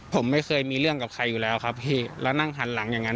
ผมไม่เคยมีเรื่องกับใครอยู่แล้วครับพี่แล้วนั่งหันหลังอย่างนั้น